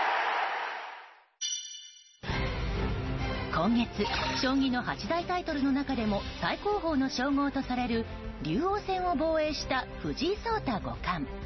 今月将棋の八大タイトルの中でも最高峰の称号とされる竜王戦を防衛した藤井聡太五冠。